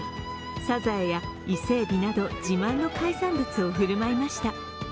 さざえや伊勢えびなど自慢の海産物を振る舞いました。